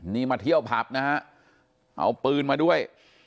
นี่มาเที่ยวผับนะฮะเอาปืนมาด้วย